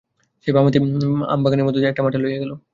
সেই বাঁহাতি আম বাগানের মধ্যে দিয়া একটা মাঠে লইয়া গেল।